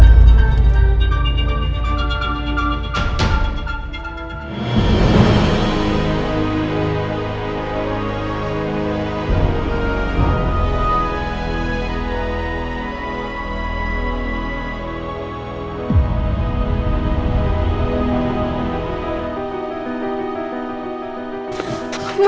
oh baik mbak